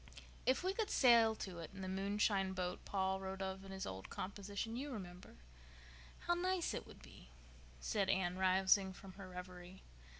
"If we could sail to it in the moonshine boat Paul wrote of in his old composition—you remember?—how nice it would be," said Anne, rousing from her reverie.